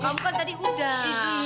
kamu kan tadi udah